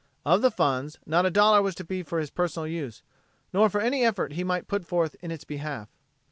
Of the fund, not a dollar was to be for his personal use, nor for any effort he might put forth in its behalf.